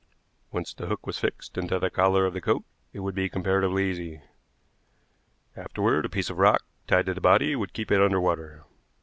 Once the hook was fixed into the collar of the coat it would be comparatively easy. Afterward a piece of rock tied to the body would keep it under water.